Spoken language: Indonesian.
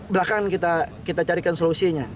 belakangan kita carikan solusinya